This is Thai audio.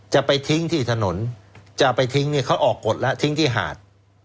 จะไปทิ้งที่ถนนจะไปทิ้งเนี่ยเขาออกกฎแล้วทิ้งที่หาด